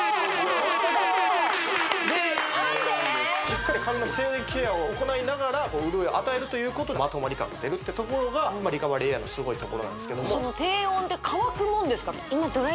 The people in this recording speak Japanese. しっかり髪の静電気ケアを行いながら潤いを与えるということでまとまり感が出るってところがリカバリーエアーのすごいところなんですけども低温で乾くもんですか？